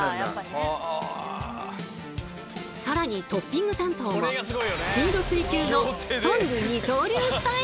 更にトッピング担当もスピード追求のトング二刀流スタイル。